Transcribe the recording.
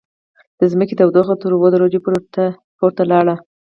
د ځمکې تودوخه تر اووه درجو پورته لاړه.